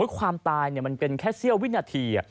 ความตายมันเป็นแค่เสี้ยววินาที